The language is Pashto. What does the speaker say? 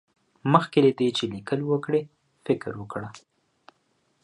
مخکې له دې چې ليکل وکړې، فکر وکړه.